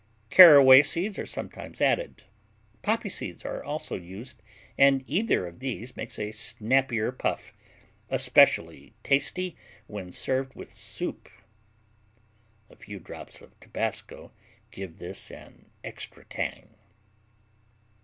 Caraway seeds are sometimes added. Poppy seeds are also used, and either of these makes a snappier puff, especially tasty when served with soup. A few drops of tabasco give this an extra tang.